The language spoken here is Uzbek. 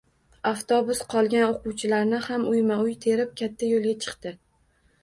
Avtobus qolgan o`quvchilarni ham uyma-uy terib, katta yo`lga chiqdi